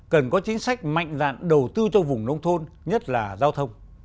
cần có chính sách mạnh dạn đầu tư cho vùng nông thôn nhất là giao thông